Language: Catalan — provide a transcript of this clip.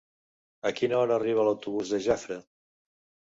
A quina hora arriba l'autobús de Jafre?